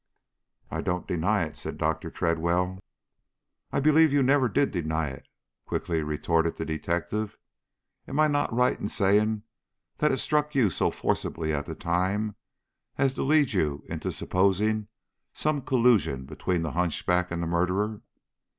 "I don't deny it," said Doctor Tredwell. "I believe you never did deny it," quickly retorted the detective. "Am I not right in saying that it struck you so forcibly at the time as to lead you into supposing some collusion between the hunchback and the murderer?"